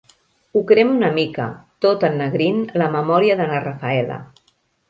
Ho crema una mica, tot ennegrint la memòria de na Raffaella.